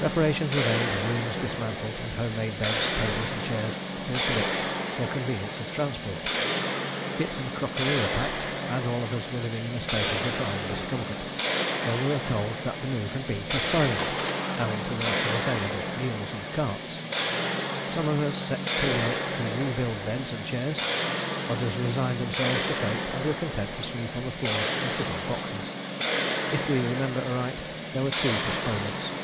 Preparations were made, rooms dismantled, and home made beds, tables, and chairs pulled to bits for convenience of transport; kit and crockery were packed, and all of us were living in a state of refined discomfort, when we were told that the move had been postponed, owing to lack of available mules and carts. Some of us set to work to rebuild beds and chairs, others resigned themselves to fate and were content to sleep on the floor and sit on boxes. If we remember aright, there were two postponements.